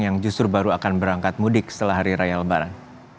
yang justru baru akan berangkat mudik setelah hari raya lebaran